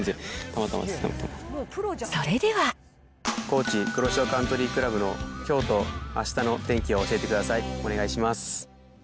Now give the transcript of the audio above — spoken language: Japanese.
コウチ黒潮カントリークラブのきょうとあしたの天気を教えてください。お願いします。